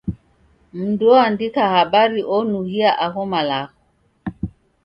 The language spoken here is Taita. Mndu oandika habari onughia agho malagho.